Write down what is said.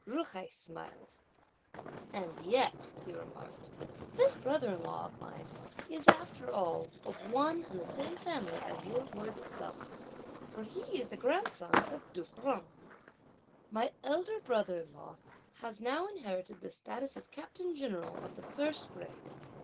Ju hai smiled. "And yet," he remarked, "this brother in law of mine is after all of one and the same family as your worthy self, for he is the grandson of the Duke Jung. My elder brother in law has now inherited the status of Captain General of the first grade.